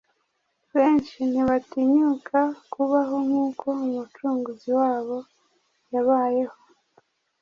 Benshi ntibatinyuka kubaho nk’uko Umucunguzi wacu yabayeho.